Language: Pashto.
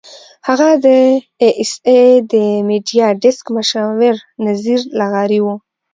هغه د اى ايس اى د میډیا ډیسک مشاور نذیر لغاري وو.